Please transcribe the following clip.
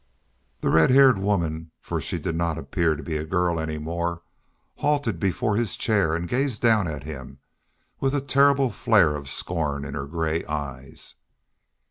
The red haired woman for she did not appear to be a girl any more halted before his chair and gazed down at him, with a terrible flare of scorn in her gray eyes.